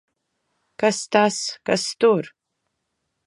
Kas tas! Kas tur!